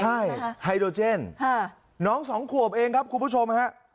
ใช่ไฮโดเจนน้องสองขวบเองครับคุณผู้ชมฮะ